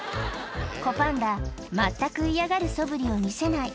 子パンダ、全く嫌がるそぶりを見せない。